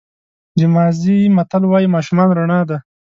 د مازی متل وایي ماشومان رڼا ده.